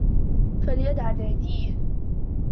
فليدع ناديه